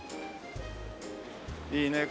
いいね。